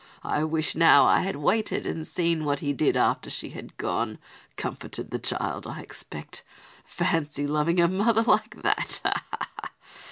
I wish now I had waited and seen what he did after she had gone; comforted that child, I expect! Fancy loving a mother like that! Ha! Ha!